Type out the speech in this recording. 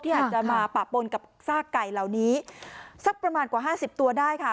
อาจจะมาปะปนกับซากไก่เหล่านี้สักประมาณกว่าห้าสิบตัวได้ค่ะ